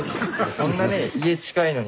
こんなね家近いのに。